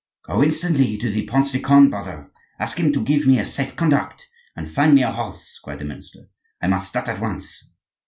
"Go instantly to the Prince de Conde, brother: ask him to give me a safe conduct; and find me a horse," cried the minister. "I must start at once."